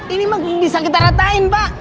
ini bisa kita ratain pak